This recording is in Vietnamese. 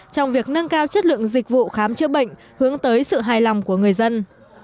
trong việc nâng cao chất lượng dịch vụ khám chữa bệnh hướng tới sự hài lòng của người dân